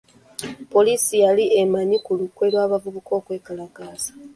Poliisi yali emanyi ku lukwe lw'abavubuka okwekalakaasa.